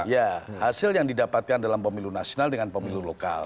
ya hasil yang didapatkan dalam pemilu nasional dengan pemilu lokal